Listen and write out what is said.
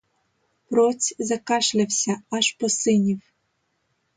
Проць закашлявся, аж посинів.